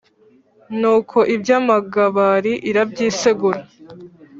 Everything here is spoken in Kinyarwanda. Nuko Ibya magabari irabyisegura